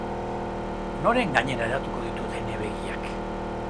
Noren gainera hedatuko ditut ene begiak?